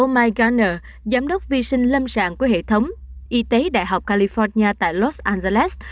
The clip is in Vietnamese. mike garner giám đốc vi sinh lâm sạng của hệ thống y tế đại học california tại los angeles